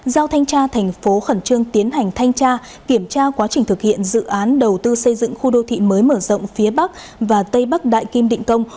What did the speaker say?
giao thanh tra thành phố khẩn trương tiến hành thanh tra kiểm tra quá trình thực hiện dự án đầu tư xây dựng khu đô thị mới mở rộng phía bắc và tây bắc đại kim định công